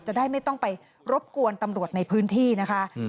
จะได้ไม่ต้องไปรบกวนตำรวจในพื้นที่นะคะ